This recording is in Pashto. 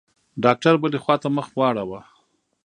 ډاکتر بلې خوا ته مخ واړاوه.